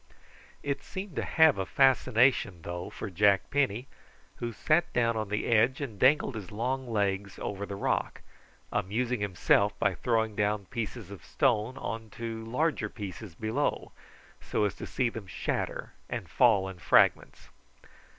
It seemed to have a fascination though for Jack Penny, who sat down on the edge and dangled his long legs over the rock, amusing himself by throwing down pieces of stone on to larger pieces below, so as to see them shatter and fall in fragments.